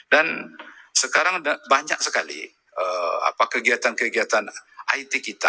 dan sekarang banyak sekali kegiatan kegiatan it kita